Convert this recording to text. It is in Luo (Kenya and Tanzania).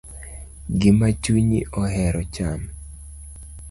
Gima chunyi ohero cham.